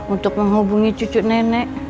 untuk menghubungi cucu nenek